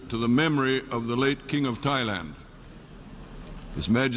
ว่าเพยรมตายที่๑๓ธุรกิจนาที๑๓นครั้งส่วนทาง